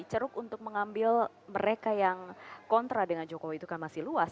ceruk untuk mengambil mereka yang kontra dengan jokowi itu kan masih luas